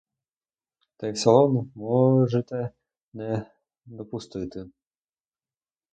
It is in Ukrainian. Та і в салон можете не допустити.